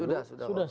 sudah sudah sudah